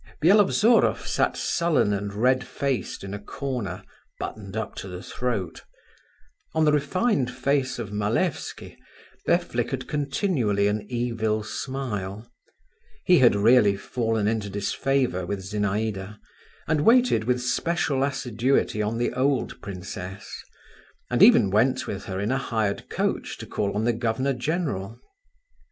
Byelovzorov sat sullen and red faced in a corner, buttoned up to the throat; on the refined face of Malevsky there flickered continually an evil smile; he had really fallen into disfavour with Zinaïda, and waited with special assiduity on the old princess, and even went with her in a hired coach to call on the Governor General.